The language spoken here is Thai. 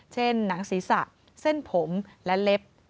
หนังศีรษะเส้นผมและเล็บ